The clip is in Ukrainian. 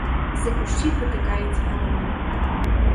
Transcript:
З-за кущів витикається голова.